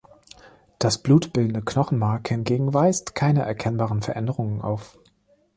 Das Blut-bildende Knochenmark hingegen weist keine erkennbaren Veränderungen auf.